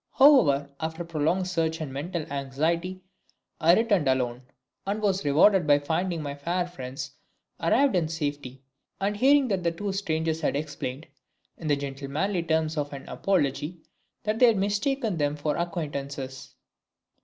However, after prolonged search and mental anxiety, I returned alone, and was rewarded by finding my fair friends arrived in safety; and hearing that the two strangers had explained, in the gentlemanly terms of an apology, that they had mistaken them for acquaintances.